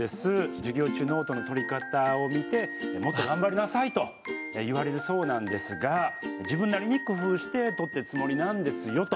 授業中ノートの取り方を見て「もっと頑張りなさい」と言われるそうなんですが自分なりに工夫して取ってるつもりなんですよと。